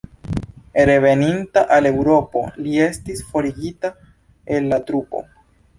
Reveninta al Eŭropo li estis forigita el la trupo.